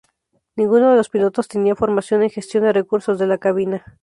Ninguno de los pilotos tenía formación en gestión de recursos de la cabina.